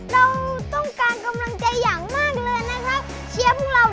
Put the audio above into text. เราต้องการกำลังเจออย่างมากเลยนะครับ